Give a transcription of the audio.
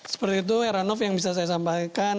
seperti itu heranov yang bisa saya sampaikan